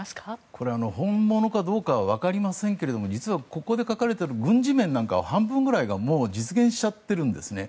これは本物かどうかは分かりませんけども実はここで書かれている軍事面は半分くらいは実現しちゃっているんですね。